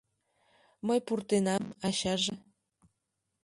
Мый пуртенам, ачаже.